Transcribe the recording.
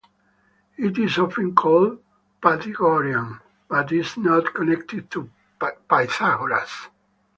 It is often called "Pythagorean," but it is not connected to Pythagoras.